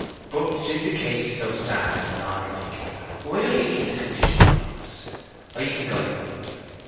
But since the case is so sad and odd like, why don't ye give the conditional promise? I think I would."